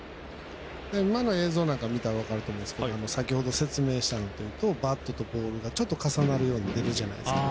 今の映像なんか見たら分かりますが先ほど説明したことでいうとバットとボールがちょっと重なるように出るじゃないですか。